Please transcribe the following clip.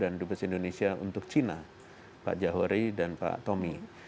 dan dubes indonesia untuk cina pak jauri dan pak tomi